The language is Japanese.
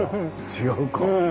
違うか。